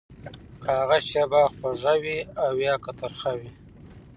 که هغه شېبه خوږه وي او يا که ترخه وي.